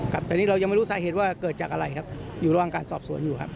ครับแต่นี่เรายังไม่รู้สาเหตุว่าเกิดจากอะไรครับอยู่ระหว่างการสอบสวนอยู่ครับ